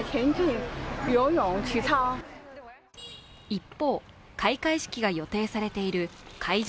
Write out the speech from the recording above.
一方、開会式が予定されている会場